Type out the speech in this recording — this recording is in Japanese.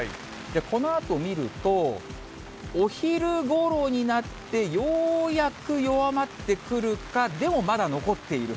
このあと見ると、お昼ごろになってようやく弱まってくるか、でもまだ残っている。